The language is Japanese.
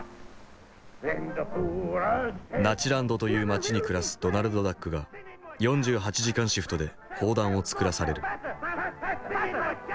ナチランドという町に暮らすドナルドダックが４８時間シフトで砲弾を作らされる。